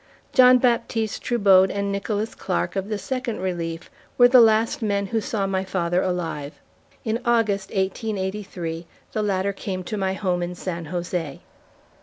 John Baptiste Trubode and Nicholas Clark, of the Second Relief, were the last men who saw my father alive. In August, 1883, the latter came to my home in San Jose.